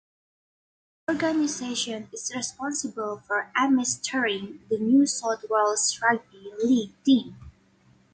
The organisation is responsible for administering the New South Wales rugby league team.